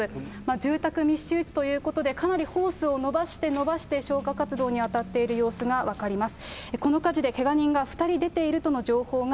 住宅密集地ということで、かなりホースを伸ばして伸ばして消火活動に当たっている様子が分かります。